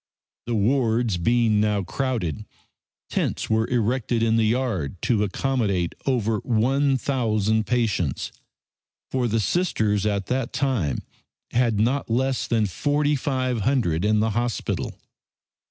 The wards being now crowded, tents were erected in the yard to accommodate over one thousand patients, for the Sisters at that time had not less than forty five hundred in the hospital.